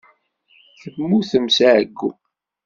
Temmutem seg ɛeyyu.